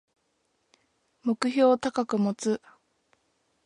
目標を高く持つ